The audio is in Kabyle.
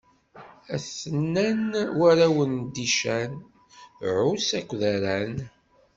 A-ten-an warraw n Dican: Ɛuṣ akked Aran.